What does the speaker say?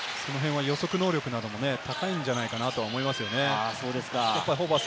その辺は予測能力なども高いんじゃないかと思いますね。